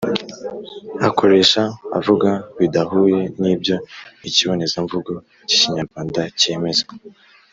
akoresha avuga bidahuye n’ibyo ikibonezamvugo k’Ikinyarwanda kemeza.